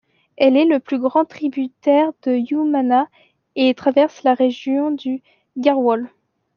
Elle est le plus grand tributaire du Yamuna et traverse la région du Garhwal.